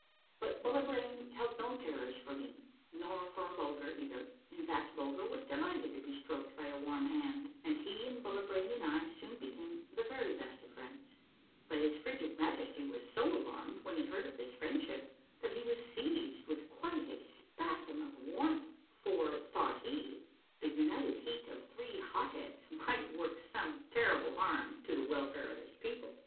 But Bullibrain hiul no terrors forme, nor for Bulger either ; in fact, Bulger was delighted to be stroked by a warm hand, and he and Bullibrain and I soon became the very best of friends ; but his frigid Majesty was so alarmed when he heard of this friend ship, that he was seized with quite a spasm of warmth, for, thought he, the united heat of three hot heads might work some terrible harm to tlie welfare of his people.